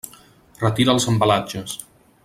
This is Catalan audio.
Retira els embalatges.